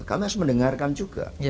kami harus mendengarkan juga